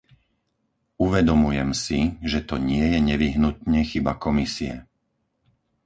Uvedomujem si, že to nie je nevyhnutne chyba Komisie.